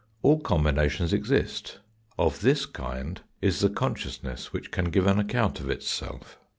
All com binations exist of this kind is the consciousness which can give an account of itself.